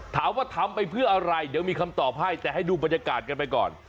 ถามว่าทำไปเพื่ออะไรเดี๋ยวมีคำตอบให้แต่ให้ดูบรรยากาศกันไปก่อน